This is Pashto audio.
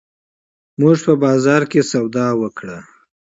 مونږه په بازار کښې سودا وکړه